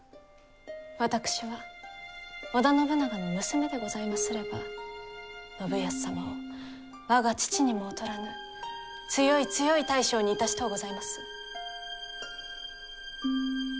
私は織田信長の娘でございますれば信康様を我が父にも劣らぬ強い強い大将にいたしとうございます。